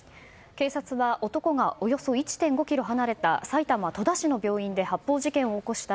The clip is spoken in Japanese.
警察が男がおよそ１．５ｋｍ離れた埼玉戸田市の病院で発砲事件を起こした